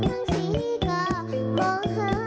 น้ำตาตกโคให้มีโชคเมียรสิเราเคยคบกันเหอะน้ำตาตกโคให้มีโชค